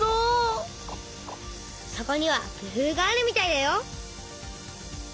そこには工夫があるみたいだよ。